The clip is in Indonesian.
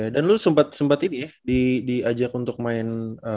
dan lu sempat sempat ini ya diajak untuk main pom ya